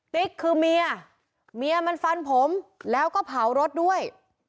ติ๊กคือเมียเมียมันฟันผมแล้วก็เผารถด้วย